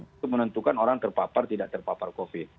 untuk menentukan orang terpapar tidak terpapar covid